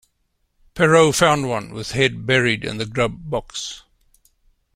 Perrault found one with head buried in the grub box.